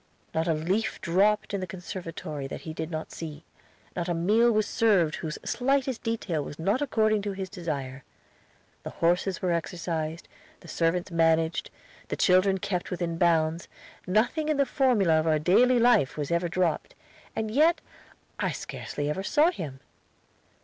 Not a leaf dropped in the conservatory that he did not see; not a meal was served whose slightest detail was not according to his desire. The horses were exercised, the servants managed, the children kept within bounds; nothing in the formula of our daily life was ever dropped, and yet I scarcely ever saw him!